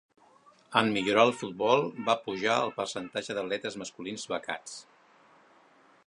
En millorar el futbol, va pujar el percentatge d'atletes masculins becats.